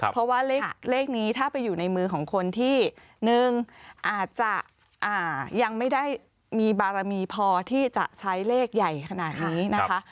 เพราะว่าเลขนี้ถ้าไปอยู่ในมือของคนที่๑อาจจะยังไม่ได้มีบารมีพอที่จะใช้เลขใหญ่ขนาดนี้นะคะ